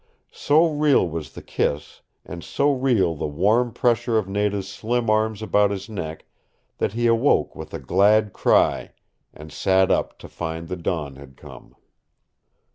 So real was the kiss, and so real the warm pressure of Nada's slim arms about his neck that he awoke with a glad cry and sat up to find the dawn had come.